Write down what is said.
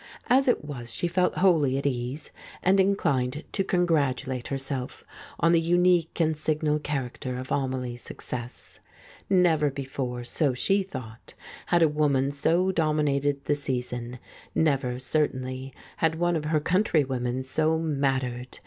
As it was, she felt wholly at ease, and inclined to congratulate herself on the unique and signal char acter of Amelie's success. Never before, so she thought, had a woman so dominated the season ; never, certainly, had one of her countrywomen so "mattered."